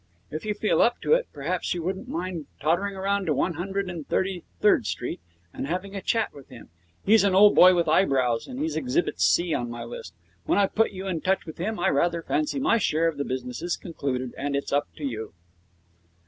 If you feel up to it perhaps you wouldn't mind tottering round to One Hundred and Thirty third Street and having a chat with him. He's an old boy with eyebrows, and he's Exhibit C on my list. When I've put you in touch with him I rather fancy my share of the business is concluded, and it's up to you.'